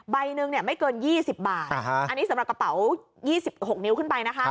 ใบหนึ่งไม่เกิน๒๐บาทอันนี้สำหรับกระเป๋า๒๖นิ้วขึ้นไปนะคะ